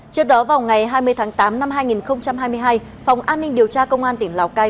trước đó vào ngày hai mươi tháng tám năm hai nghìn hai mươi hai phòng an ninh điều tra công an tỉnh lào cai